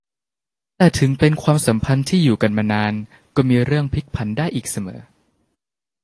แต่ถึงเป็นความสัมพันธ์ที่อยู่กันมานานก็มีเรื่องพลิกผันได้อีกเสมอ